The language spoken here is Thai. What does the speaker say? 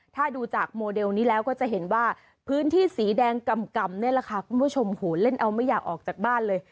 ถ้าดูจากโมเดลนี้แล้วก็จะเห็นว่าพื้นที่สีแดงกำนี่แหละค่ะคุณผู้ชมโหเล่นเอาไม่อยากออกจากบ้านเลย